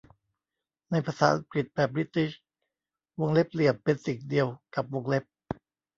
ในภาษาอังกฤษแบบบริติช วงเล็บเหลี่ยมเป็นสิ่งเดียวกับวงเล็บ